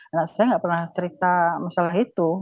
nah saya nggak pernah cerita masalah itu